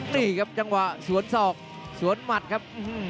นี่ครับจังหวะสวนศอกสวนหมัดครับ